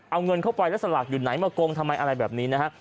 เอาเงินเข้าไปแล้วสลากอยู่ไหนมาโกงทำไมอะไรแบบนี้นะฮะ